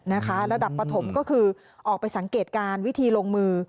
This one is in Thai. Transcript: ระดับปฐมก็คือออกไปสังเกตการณ์วิธีลงมือ